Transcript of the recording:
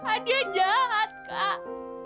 kak dia jahat kak